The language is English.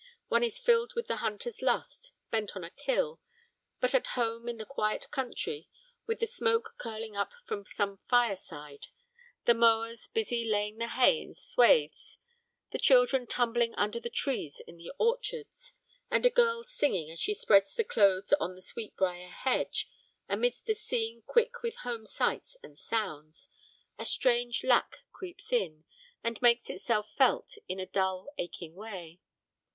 One is filled with the hunter's lust, bent on a 'kill', but at home in the quiet country, with the smoke curling up from some fireside, the mowers busy laying the hay in swaths, the children tumbling under the trees in the orchards, and a girl singing as she spreads the clothes on the sweetbriar hedge, amidst a scene quick with home sights and sounds, a strange lack creeps in and makes itself felt in a dull, aching way.